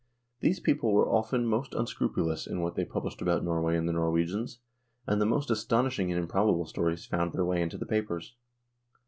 These people were often most unscrupulous in what they published about Norway and the Norwegians, and the most astonish ing and improbable stories found their way into the papers.